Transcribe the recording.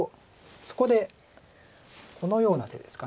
そこでこのような手ですか。